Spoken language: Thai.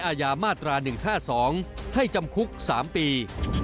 อาญามาตรา๑๕๒ให้จำคุก๓ปี